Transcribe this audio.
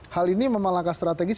hal ini memang langkah strategis